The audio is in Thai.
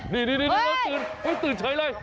นี่ตื่นเฉยเลย